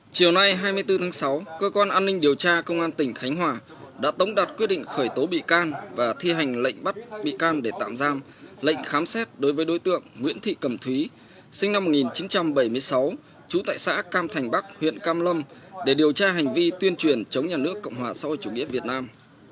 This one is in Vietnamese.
chiều nay hai mươi bốn tháng sáu cơ quan an ninh điều tra công an tỉnh khánh hòa đã tống đặt quyết định khởi tố bị can và thi hành lệnh bắt bị can để tạm giam lệnh khám xét đối với đối tượng nguyễn thị cẩm thúy sinh năm một nghìn chín trăm bảy mươi sáu trú tại xã cam thành bắc huyện cam lâm để điều tra hành vi tuyên truyền chống nhà nước cộng hòa sau chủ nghĩa việt nam